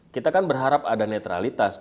kita kan berharap ada netralitas